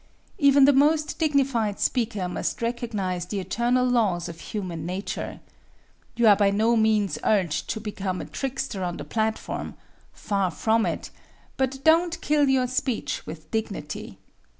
Even the most dignified speaker must recognize the eternal laws of human nature. You are by no means urged to become a trickster on the platform far from it! but don't kill your speech with dignity.